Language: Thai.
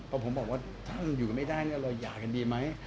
พอผมบอกว่าถ้าอยู่กันไม่ได้เราหย่ากันดีไหม